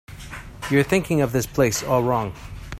You're thinking of this place all wrong.